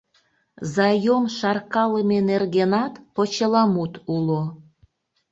Заём шаркалыме нергенат почеламут уло.